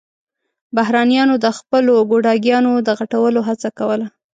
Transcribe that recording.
بهرنيانو د خپلو ګوډاګيانو د غټولو هڅه کوله.